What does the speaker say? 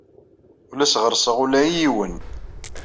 Ur as-ɣerrseɣ ula i yiwen.